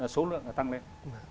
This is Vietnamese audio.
số lượng đã tăng lên